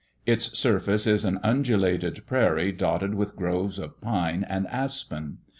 Its surface is an undulated prairie dotted with groves of pine and aspen.